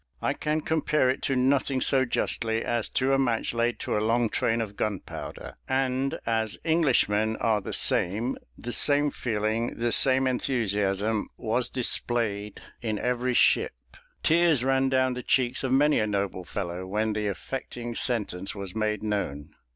I can compare it to nothing so justly as to a match laid to a long train of gunpowder; and as Englishmen are the same, the same feeling, the same enthusiasm, was displayed in every ship; tears ran down the cheeks of many a noble fellow when the affecting sentence was made known.